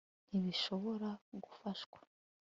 Ntibishobora gufashwa